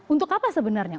untuk apa sebenarnya